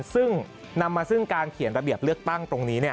ซึ่งนำมาซึ่งการเขียนระเบียบเลือกตั้งตรงนี้